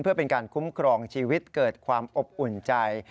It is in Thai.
เพื่อเป็นการคุ้มครองชีวิตเกิดความอบอุ่นใจ